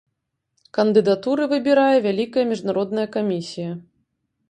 Кандыдатуры выбірае вялікая міжнародная камісія.